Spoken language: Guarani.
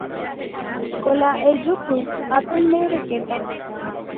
Kola ejúpy, ápe nde rekéta